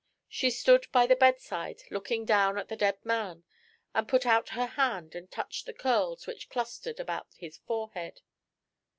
She stood by the bedside looking down at the dead man, and put out her hand and touched the curls which clustered about his forehead.